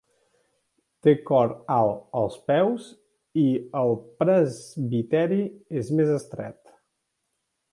Té cor alt als peus i el presbiteri és més estret.